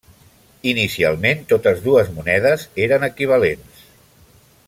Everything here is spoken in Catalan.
Inicialment totes dues monedes eren equivalents.